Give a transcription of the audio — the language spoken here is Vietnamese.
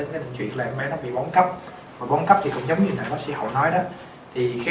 cái chuyện là em bé nó bị bóng cắp và bóng cắp thì cũng giống như là bác sĩ hậu nói đó thì cái